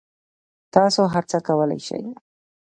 تاسو هر څه کولای شئ